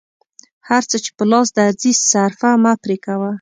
هر څه چې په لاس درځي صرفه مه پرې کوه.